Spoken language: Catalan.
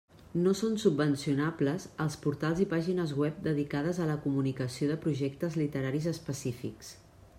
No són subvencionables els portals i pàgines web dedicades a la comunicació de projectes literaris específics.